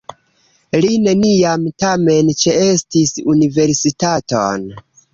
Li neniam, tamen, ĉeestis universitaton.